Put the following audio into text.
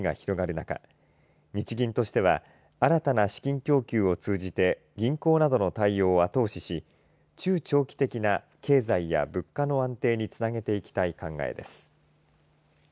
中日銀としては新たな資金供給を通じて銀行などの対応を後押しし中長期的な経済や物価の安定につなげていきたい考えです。